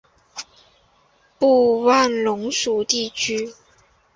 布万龙属地区。